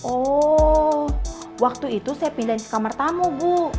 oh waktu itu saya pindahin ke kamar tamu bu